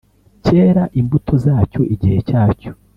Cyera imbuto zacyo igihe cyacyo